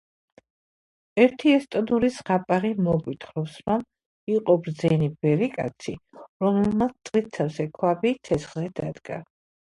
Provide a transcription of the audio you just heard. ერთი ესტონური ზღაპარი მოგვითხრობს, რომ იყო ბრძენი ბერიკაცი, რომელმაც წყლით სავსე ქვაბი ცეცხლზე დადგა.